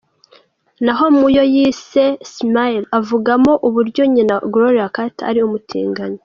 " Naho mu yo yise â€?Smileâ€™ avugamo uburyo nyina Gloria Carter ari umutinganyi.